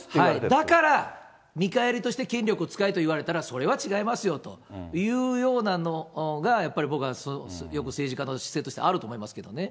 だから、見返りとして権力を使えと言われたら、それは違いますよというようなのが、やっぱり僕はよく政治家の姿勢としてあると思いますけどね。